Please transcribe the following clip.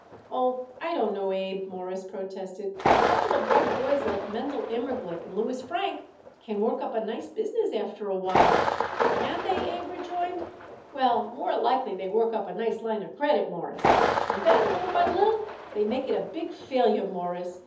"Oh, I don't know, Abe," Morris protested. "A couple of bright boys like Mendel Immerglick and Louis Frank can work up a nice business after a while." "Can they?" Abe rejoined. "Well, more likely they work up a nice line of credit, Mawruss, and then, little by little, they make it a big failure, Mawruss.